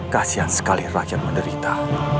kasihan sekali rakyat menderita